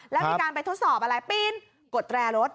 แล้วมีการไปทดสอบอะไรปีนกดแตรรถ